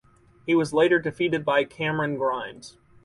He was later defeated by Cameron Grimes.